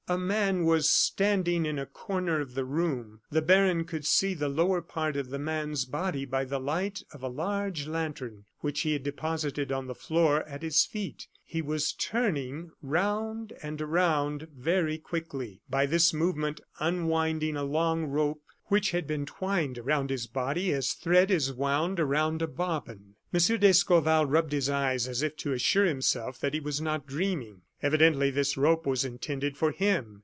A man was standing in a corner of the room. The baron could see the lower part of the man's body by the light of a large lantern which he had deposited on the floor at his feet. He was turning around and around very quickly, by this movement unwinding a long rope which had been twined around his body as thread is wound about a bobbin. M. d'Escorval rubbed his eyes as if to assure himself that he was not dreaming. Evidently this rope was intended for him.